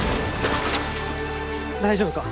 大丈夫か？